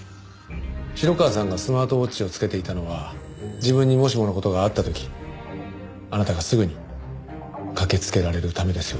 城川さんがスマートウォッチをつけていたのは自分にもしもの事があった時あなたがすぐに駆けつけられるためですよね？